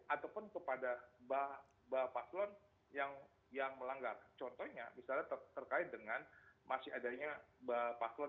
ataupun kepada bapak slon yang melanggar contohnya misalnya terkait dengan masih adanya bapak slon